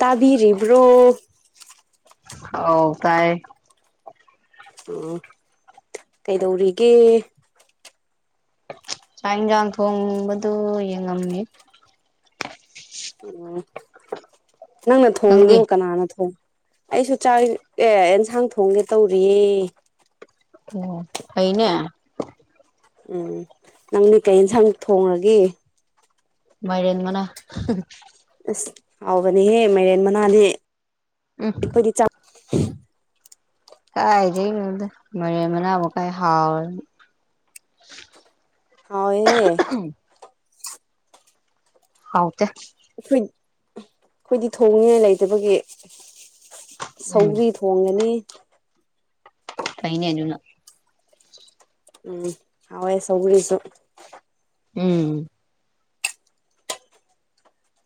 ꯇꯥꯕꯤꯔꯤꯕ꯭ꯔꯣ ꯑꯧ ꯇꯥꯏ ꯎꯝ ꯀꯩꯗꯧꯔꯤꯒꯦ ꯆꯥꯛ ꯏꯟꯖꯥꯡ ꯊꯣꯡꯕꯗꯨ ꯌꯦꯡꯉꯝꯃꯤ ꯑꯣ ꯅꯪꯅ ꯅꯪꯗꯤ ꯊꯣꯡꯕ꯭ꯔꫭ ꯀꯅꯥꯅ ꯊꯣꯡ ꯑꯩꯁꯨ ꯆꯥꯛ ꯑꯦ ꯑꯦꯟꯁꯥꯡ ꯊꯣꯡꯒꯦ ꯇꯧꯔꯤꯌꯦ ꯑꯣ ꯐꯩꯅꯦ ꯎꯝ ꯅꯪꯗꯤ ꯀꯩ ꯌꯦꯟꯁꯥꯡ ꯊꯣꯡꯔꯒꯦ ꯃꯥꯏꯔꯦꯟ ꯃꯅꯥ ꯑꯁ ꯍꯥꯎꯕꯅꯦꯍꯦ ꯃꯥꯏꯔꯦꯟ ꯃꯅꯥꯗꯤ ꯎꯝ ꯑꯩꯈꯣꯏꯗꯤ ꯆꯥꯛ ꯀꯥꯏꯗꯩꯅꫭꯗ ꯃꯥꯏꯔꯦꯟ ꯃꯅꯥꯕꯨ ꯀꯥꯏ ꯍꯥꯎꯅ ꯍꯥꯎꯋꯦꯍꯦ [inaudible] ꯍꯥꯎꯇꯦ ꯑꯩꯈꯣꯏ ꯑꯩꯈꯣꯏꯗꯤ ꯊꯣꯡꯅꯤꯉꯥꯏ ꯂꯩꯇꯕꯒꯤ ꯎꯝ ꯁꯧꯒ꯭ꯔꯤ ꯊꯣꯡꯒꯅꯤ ꯐꯩꯅꯦ ꯑꯗꯨꯅ ꯎꯝ ꯍꯥꯎꯋꯦ ꯁꯧꯒ꯭ꯔꯤꯁꯨ ꯎꯝ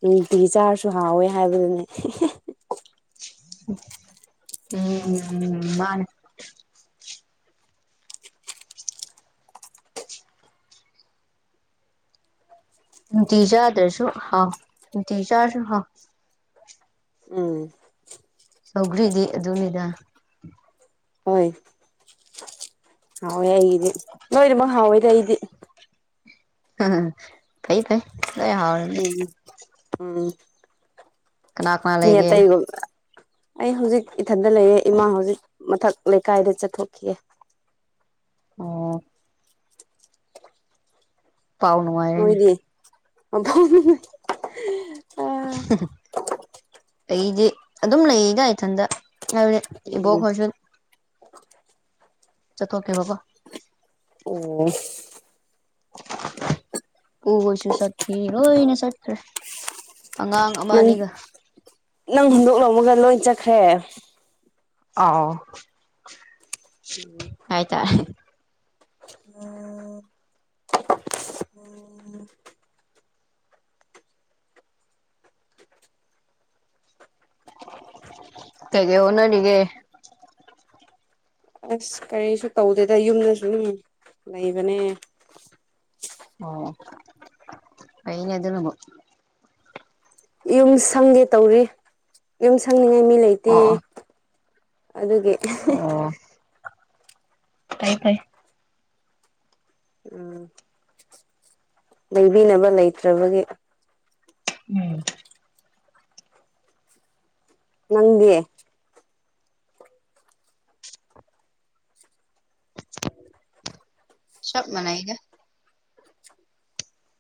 ꯅꯨꯡꯇꯤꯒꯤ ꯆꯥꯔꯁꯨ ꯍꯥꯎꯋꯦ ꯍꯥꯏꯕꯗꯨꯅꯦ ꯎꯝ ꯃꯥꯅꯦ ꯅꯨꯡꯇꯤꯒꯤ ꯆꯥꯗ꯭ꯔꯁꯨ ꯍꯥꯎ ꯅꯨꯡꯇꯤꯒꯤ ꯆꯥꯔꯁꯨ ꯍꯥꯎ ꯎꯝ ꯁꯧꯒ꯭ꯔꯤꯗꯤ ꯑꯗꯨꯅꯤꯗ ꯍꯣꯏ ꯍꯥꯎꯋꯦ ꯑꯩꯒꯤꯗꯤ ꯂꫭꯏꯅꯃꯛ ꯍꯥꯎꯋꯦꯗ ꯑꯩꯗꯤ [unintelligible] ꯐꯩ ꯂꯣꯏ ꯍꯥꯎꯔꯗꯤ ꯎꯝ ꯎꯝ ꯀꯅꯥ ꯀꯅꯥ ꯃꯤ ꯂꯩꯒꯦ ꯑꯇꯩ ꯒꯨꯝꯕ ꯑꯩ ꯍꯧꯖꯤꯛ ꯏꯊꯟꯗ ꯂꯩꯔꯦ ꯏꯃꯥ ꯍꯧꯖꯤꯛ ꯃꯊꯛ ꯂꯩꯀꯥꯏꯗ ꯆꯠꯊꯣꯛꯈꯤꯑꯦ ꯑꯣ ꯄꯥꯎ ꯅꯨꯡꯉꯥꯏ ꯅꯣꯏꯗꯤ [unintelligible] ꯑꯩꯗꯤ ꯑꯗꯨꯝ ꯂꯩꯗꯥ ꯏꯊꯟꯇ ꯍꯥꯏꯕꯗꯤ ꯏꯕꯣꯛꯈꫭꯏꯁꯨ ꯆꯠꯊꯣꯛꯈꯤꯕ ꯀꫭ ꯑꯣ ꯏꯄꯨ ꯍꫭꯏꯁꯨ ꯆꯠꯈꯤ ꯂꯣꯏꯅ ꯆꯠꯈ꯭ꯔꯦ ꯑꯉꯥꯡ ꯑꯃ ꯅꯪ ꯑꯅꯤꯒ ꯅꯪ ꯍꯨꯟꯗꯣꯛ ꯂꯝꯃꯒ ꯂꯣꯏ ꯆꯠꯈ꯭ꯔꯦ ꯑꯥꯎ [inaudible] [unintelligible] [inaudible] [inaudible] ꯀꯩ-ꯀꯩ ꯍꫭꯠꯅꯔꯤꯒꯦ ꯑꯁ ꯀꯔꯤꯁꯨ ꯇꯧꯗꯦꯗ ꯌꯨꯝꯗꯥ ꯁꯨꯝ ꯂꯩꯕꯅꯦ ꯑꯣ ꯐꯩꯅ‌ꯦ ꯑꯗꯨꯅꯕꯨ ꯌꯨꯝ ꯁꯪꯒꯦ ꯇꯧꯔꯤ ꯌꯨꯝ ꯁꯪꯅꯤꯉꯥꯏ ꯃꯤ ꯂꯩꯇꯦ ꯑꯣ ꯑꯣ ꯑꯗꯨꯒꯤ ꯑꯣ ꯐꯩ ꯐꯩ ꯎꯝ ꯂꯩꯕꯤꯅꯕ ꯂꯩꯇ꯭ꯔꯕꯒꯤ ꯎꯝ ꯅꯪꯗꯤ [inaudible] ꯆꯞ ꯃꯅꯩꯗꯥ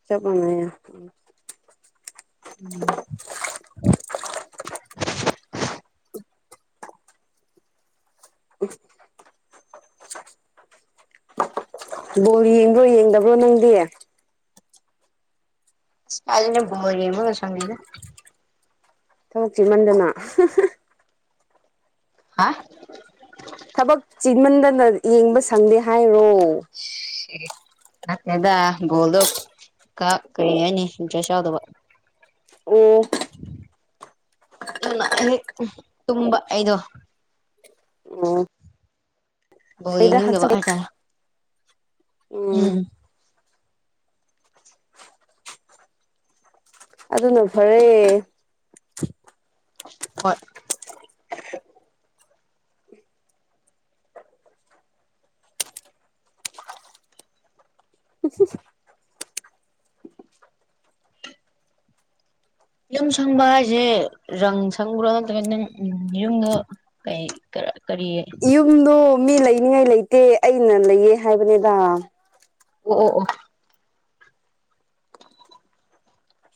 ꯆꯞ ꯃꯅꯩꯌ‌ꯦ ꯎꯝ ꯎꯝ [unintelligible] ꯐꯨꯠ ꯕꯣꯜ ꯌꯦꯡꯕ꯭ꯔꯣ ꯌꯦꯡꯗꯕ꯭ꯔꯣ ꯅꯪꯗꯤ ꯏꯁ ꯀꯥꯏꯗꯩꯅꫭ ꯕꫭꯜ ꯌ‌ꯦꯡꯕꯒꯥ ꯁꯪꯗ‌ꯦꯗꯥ ꯊꯕꯛ ꯆꯤꯟꯃꯟꯗꯅꯥ ꯍꯥ ꯊꯕꯛ ꯆꯤꯟꯃꯟꯗꯅ ꯌꯦꯡꯕ ꯁꯪꯗꯦ ꯍꯥꯏꯔꯣ ꯁꯤ ꯅꯠꯇꯦꯗ ꯕꫭꯜꯗꫭ ꯀꯥ ꯀꯔꯤ ꯍꯥꯏꯅꯤ ꯏꯟꯇ꯭ꯔ‌ꯦꯁ ꯌꯥꯎꯗꯕ ꯑꯣ ꯑꯗꯨꯅꯥ ꯑꯩ ꯇꯨꯝꯕ ꯑꯩꯗꯣ ꯎꯝ ꯕꫭꯜ ꯌ‌ꯦꯡꯅꯤꯡꯗꯕꯥ ꯍꯥꯏ ꯇꯥꯔ‌ꯦ ꯎꯝ ꯑꯗꯨꯅ ꯐꯔꯦ ꯍꯣꯏ [unintelligible] ꯌꯨꯝ ꯁꯪꯕ ꯍꯥꯏꯁꯦ ꯔꯪ ꯁꯪꯕ꯭ꯔꯥ ꯅꯠꯇ꯭ꯔꯒꯅ ꯅꯪ ꯎꯝ ꯌꯨꯝꯗ ꯀꯩ ꯀꯔꯤ ꯑꯣ ꯌꯨꯝꯗꯣ ꯃꯤ ꯂꯩꯅꯤꯡꯉꯥꯏ ꯂꯩꯇꯦ ꯑꯩꯅ ꯂꯩꯌꯦ ꯍꯥꯏꯕꯅꯤꯗ ꯑꯣ ꯑꯣ ꯑꯣ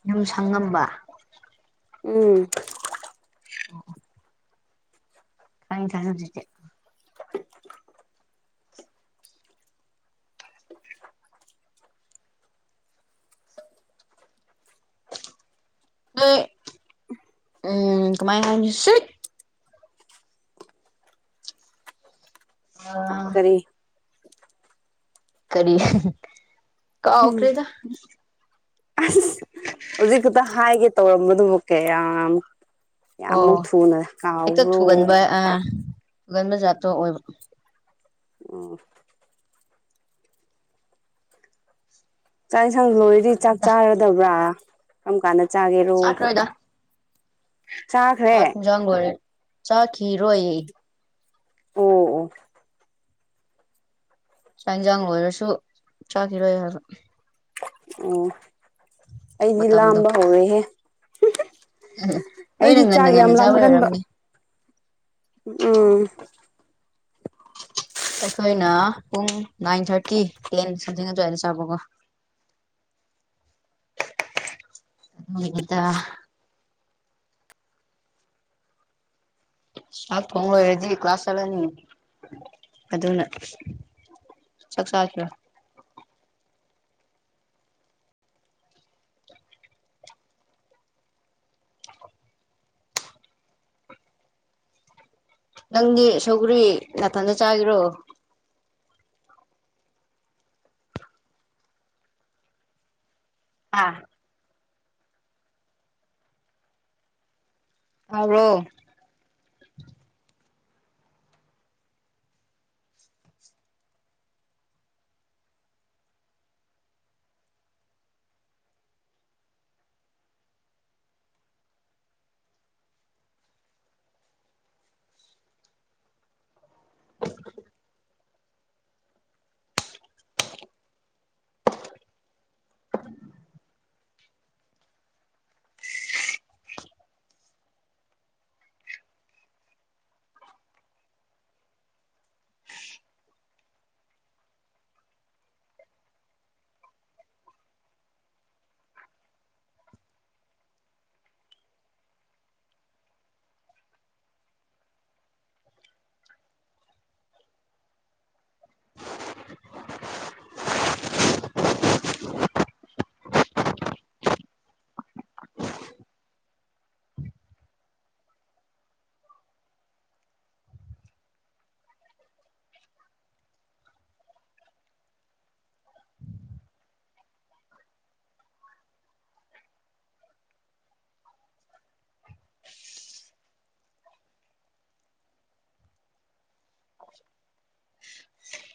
ꯌꯨꯝ ꯁꯪꯉꯝꯕ ꯎꯝ [inaudible] [unintelligible] ꯎꯝ ꯀꯃꯥꯏꯅ ꯍꯥꯏꯅꯤ [unintelligible] ꯀꯔꯤ ꯀꯔꯤ ꯀꯥꯎꯈ꯭ꯔꯦꯗ ꯑꯁ ꯍꯧꯖꯤꯛ ꯈꯛꯇ ꯍꯥꯏꯒꯦ ꯇꯧꯔꯝꯕꯗꯨꯕꯨ ꯀꯌꯥꯝ ꯀꯌꯥꯝꯃꯨꯛ ꯑꯣ ꯊꯨꯅ ꯀꯥꯎꯕ꯭ꯔꯣ ꯑꯥ ꯒꯟꯕ ꯖꯥꯠꯇꯣ ꯑꯣꯏꯕ ꯎꯝ ꯆꯥꯛ ꯌꯦꯟꯁꯥꯡ ꯂꯣꯏꯔꯗꯤ ꯆꯥꯛ ꯆꯥꯔꯗꯕ꯭ꯔꯥ ꯀꯔꯝ ꯀꯥꯟꯗ ꯆꯥꯒꯦꯔꯣ ꯆꯥꯈ꯭ꯔꯣꯏꯗ ꯆꯥꯈ꯭ꯔꯦ ꯌꯦꯟꯖꯥꯡꯂꯣꯏꯔꯦ ꯆꯥꯈꯤꯔꯣꯢꯌꯦ ꯑꯦ ꯑꯣ ꯑꯣ ꯆꯥꯛ ꯏꯟꯖꯥꯡ ꯂꯣꯏꯔꯁꯨ ꯆꯥꯈꯤꯔꯣꯏ ꯍꯥꯏꯕ꯫ ꯑꯣ ꯑꯩꯗꯤ ꯃꯇꯝꯗꯣ ꯂꯥꯝꯕ ꯍꯧꯔꯦꯍꯦ ꯅꯣꯏꯅ ꯑꯩꯗꯤ ꯉꯟꯅ ꯆꯥꯛ ꯌꯥꯝ ꯉꯟꯅ ꯆꯥꯕꯩ ꯂꯥꯝꯒꯟꯕ꯫ ꯑꯣꯏꯔꯝꯅꯤ ꯎꯝ ꯑꯩꯈꯣꯏꯅ ꯄꯨꯡ ꯅꯥꯏꯟ ꯊꯥꯔꯇꯤ ꯇꯦꯟ ꯈꯨꯗꯤꯡ ꯑꯗꯨꯋꯥꯏꯗ ꯆꯥꯕꯀꯣ꯫ ꯗꯨꯗ [unintelligible] ꯆꯥꯛ ꯊꯣꯡ ꯂꯣꯏꯔꯗꯤ ꯀ꯭ꯂꯥꯁ ꯆꯠꯂꯅꯤ꯫ ꯑꯗꯨꯅ ꯆꯥꯛ ꯆꯥꯈꯤꯔꯣꯏ ꯅꯪꯗꯤ ꯁꯧꯒꯔꯤ ꯅꯥꯊꯟꯗ ꯆꯥꯒꯤꯔꯣ ꯑꯥ ꯇꯥꯕ꯭ꯔꯣ [inaudible] [inaudible] [inaudible]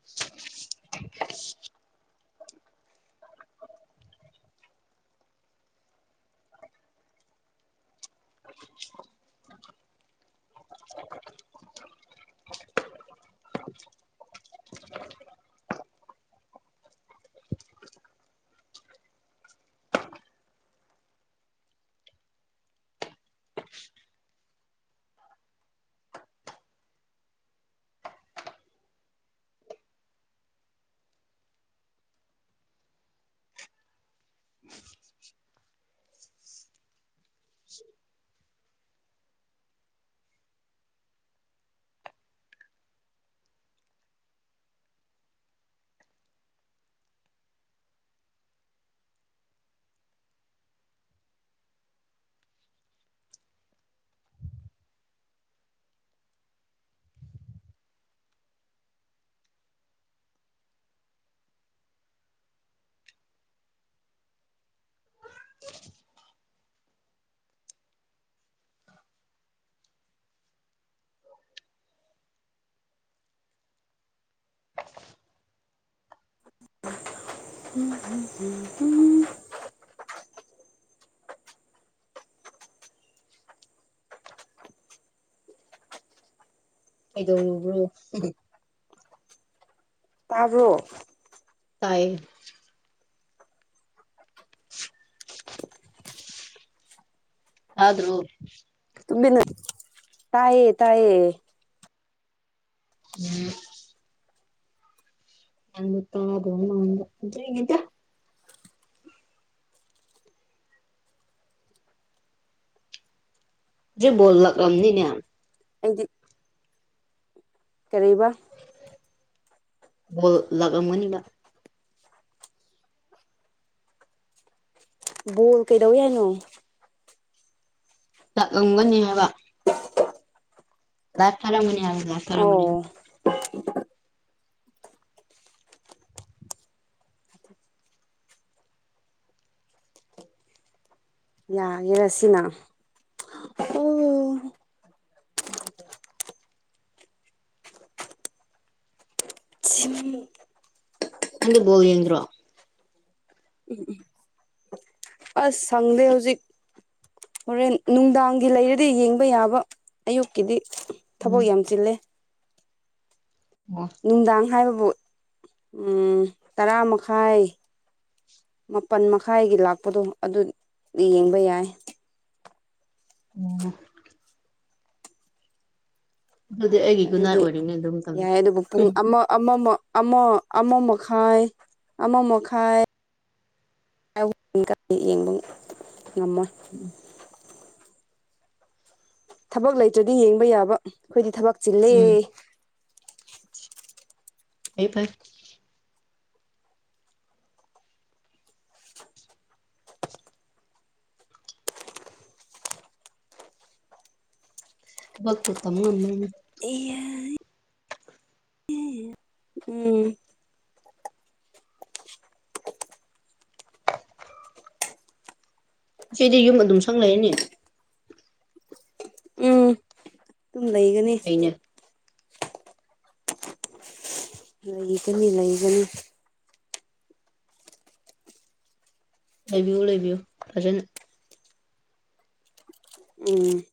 [inaudible] [inaudible] [inaudible] [inaudible] [inaudible] ꯀꯩꯗꯧꯔꯤꯒꯦ ꯇꯥꯕ꯭ꯔꯣ ꯇꯥꯏꯌꯦ [inaudible] ꯇꯥꯗ꯭ꯔꯣ ꯇꯨꯃꯤꯟꯅ ꯇꯥꯏꯌꯦ ꯇꯥꯏꯌꯦ ꯎꯝ [unintelligible] ꯇꯥꯗꯕ ꯃꯟꯕꯨ ꯑꯗꯨꯏꯅꯤꯗ ꯉꯁꯤ ꯕꯣꯜ ꯂꯛꯂꯝꯅꯤꯅꯦ ꯑꯩꯗꯤ ꯀꯔꯤꯕ ꯕꯣꯜ ꯂꯛꯂꯝꯃꯅꯤꯕ ꯕꯣꯜ ꯀꯩꯗꯧꯋꯤ ꯍꯥꯏꯅꯣ ꯂꯥꯛꯂꯝꯒꯅꯤ ꯍꯥꯏꯕ ꯂꯥꯏꯐ ꯊꯥꯔꯝꯒꯅꯤ ꯍꯥꯏꯕ ꯂꯥꯏꯐ ꯊꯥꯔꯝꯒꯅꯤ ꯑꯣ ꯌꯥꯒꯦꯔ ꯁꯤꯅ ꯑꯣ ꯅꯪꯗꯤ ꯕꯣꯜ ꯌꯦꯡꯗ꯭ꯔꯣ ꯎꯝ ꯎꯝ ꯑꯁ ꯁꯪꯗꯦ ꯍꯧꯖꯤꯛ ꯍꯣꯔꯦꯟ ꯅꯨꯡꯗꯥꯡꯒꯤ ꯂꯩꯔꯗꯤ ꯌꯦꯡꯕ ꯌꯥꯕ ꯑꯌꯨꯛꯀꯤꯗꯤ ꯊꯕꯛ ꯎꯝ ꯌꯥꯝ ꯆꯤꯜꯂꯦ꯫ ꯑꯣ ꯅꯨꯡꯗꯥꯡ ꯍꯥꯏꯕꯕꯨ ꯎꯝ ꯇꯔꯥ ꯃꯈꯥꯏ ꯃꯥꯄꯜ ꯃꯈꯥꯏꯒꯤ ꯂꯥꯛꯄꯗꯣ ꯑꯗꯨꯗꯤ ꯌꯦꯡꯕ ꯌꯥꯏ ꯎꯝ ꯑꯗꯨꯗꯤ ꯑꯩꯒꯤ ꯒꯨꯠꯅꯥꯏꯠ ꯑꯗꯨꯗꯤ ꯑꯣꯏꯔꯦꯅꯦ ꯑꯗꯨ ꯃꯇꯝꯗ ꯌꯥꯏ ꯑꯗꯨꯕꯨ ꯄꯨꯡ ꯑꯃ ꯑꯃꯃ ꯑꯃ ꯑꯃ ꯃꯈꯈꯥꯏ ꯑꯃ ꯃꯈꯈꯥꯏ [unintelligible] ꯌꯦꯡꯕ ꯉꯝꯃꯣꯏ ꯎꯝ ꯊꯕꯛ ꯂꯩꯇ꯭ꯔꯗꯤ ꯌꯦꯡꯕ ꯌꯥꯕ ꯑꯩꯈꯣꯏꯗꯤ ꯊꯕꯛ ꯆꯤꯜꯂꯦ ꯎꯝ ꯐꯩ ꯐꯩ ꯊꯕꯛꯄꯨ ꯇꯝ ꯉꯝꯕ꯭ꯔꯅꯦ ꯑꯩꯌꯥꯌꯤ ꯇꯨꯃꯨ ꯁꯤꯗꯤ ꯌꯨꯝ ꯑꯗꯨꯝ ꯁꯪ ꯂꯩꯔꯅꯤ ꯎꯝ ꯑꯗꯨꯝ ꯂꯩꯒꯅꯤ ꯐꯩꯅꯦ ꯂꯩꯒꯅꯤ ꯂꯩꯒꯅꯤ ꯂꯩꯕꯤꯌꯨ ꯂꯩꯕꯤꯌꯨ ꯐꯖꯅ ꯎꯝ